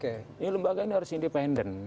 ini lembaga ini harus independen